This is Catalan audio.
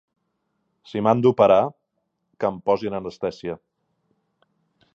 Si m'han d'operar, que em posin anestèsia.